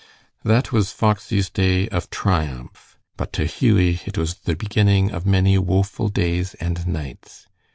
That was Foxy's day of triumph, but to Hughie it was the beginning of many woeful days and nights.